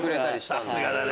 さすがだね！